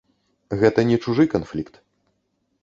Гэта не чужы канфлікт.